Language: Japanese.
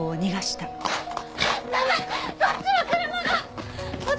そっちは車が！